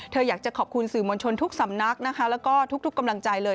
อยากจะขอบคุณสื่อมวลชนทุกสำนักนะคะแล้วก็ทุกกำลังใจเลย